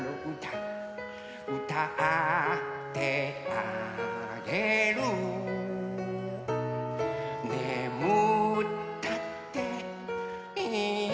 「うたってあげる」「ねむったっていいんだよ」